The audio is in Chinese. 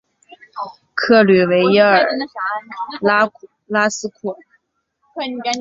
克吕维耶尔拉斯库尔。